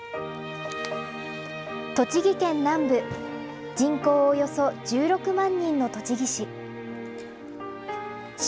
栃木県南部、人口およそ１６万人の栃木市。